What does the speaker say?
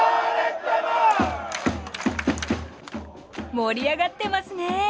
盛り上がってますね。